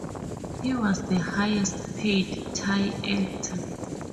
He was the highest paid Thai actor.